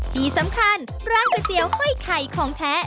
ที่สำคัญร้านก๋วยเตี๋ยวห้อยไข่ของแท้